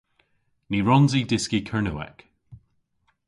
Ny wrons i dyski Kernewek.